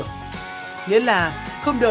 nghĩa là không đợi